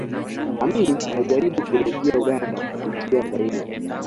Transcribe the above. Amin alijaribu kurejea Uganda kupitia Zaire